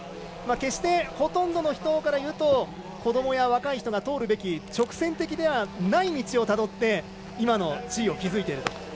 決してほとんどの人から言うと子どもや若い人が通るべき直線的ではない道をたどって今の地位を築いていると。